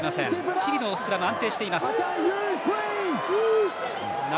チリのスクラム、安定しています。